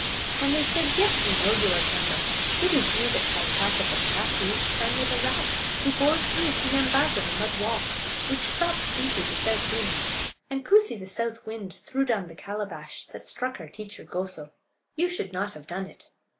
And they said: "Yes, we know you are Kaamba; it is you that ties Paaka, the cat; who eats Paanya, the rat; who bores through Keeyambaaza, the mud wall; which stopped Koosee, the south wind; and Koosee, the south wind, threw down the calabash that struck our teacher Goso. You should not have done it."